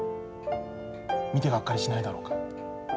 見てがっかりしないだろうか。